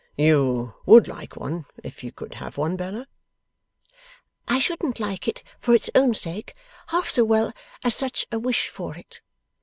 'You would like one if you could have one, Bella?' 'I shouldn't like it for its own sake, half so well as such a wish for it.